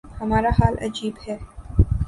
ہمارا حال عجیب ہے۔